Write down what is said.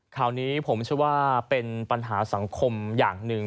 ข่าวนี้ผมเชื่อว่าเป็นปัญหาสังคมอย่างหนึ่ง